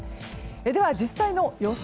では実際の予想